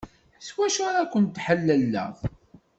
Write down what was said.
S wacu ara ken-ḥelleleɣ?